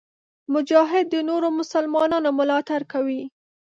مجاهد د نورو مسلمانانو ملاتړ کوي.